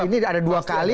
ini ada dua kali